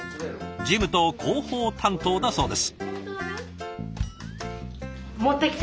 事務と広報担当だそうです。